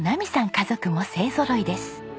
家族も勢ぞろいです。